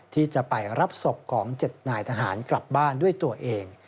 ที่จะไปรับศพของ๗นายทหารกลับบ้านด้วยตัวเอง